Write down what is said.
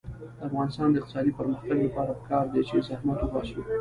د افغانستان د اقتصادي پرمختګ لپاره پکار ده چې زحمت وباسو.